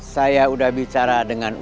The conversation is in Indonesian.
saya udah bicara dengan